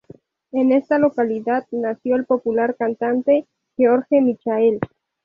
En esta localidad nació el popular cantante George Michael.